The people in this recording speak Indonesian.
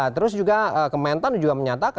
terus juga kementerian pertanian juga menyata